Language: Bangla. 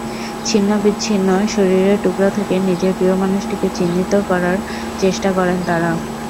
ছিন্নবিচ্ছিন্ন শরীরের টুকরা থেকে নিজের প্রিয় মানুষটিকে চিহ্নিত করার চেষ্টা করেন তাঁরা।